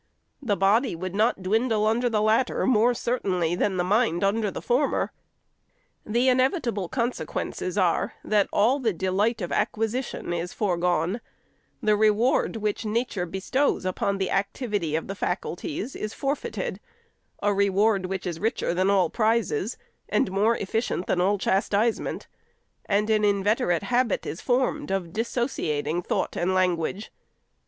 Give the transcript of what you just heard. The body would not dwindle under the latter more certainly than the mind under the former. The inevitable consequences are, that all the delight of acquisition is foregone ; the reward which nature bestows upon the activity of the faculties is forfeited, — a reward which is richer than all prizes, and more efficient than all chastisement ;— and an invet erate habit is formed of dissociating thought and lan guage.